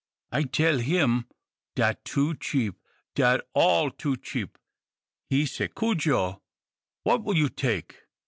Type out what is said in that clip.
I tell him, 'Dat too cheap; dat all too cheap.' He say, 'Cudjo, what will you take?'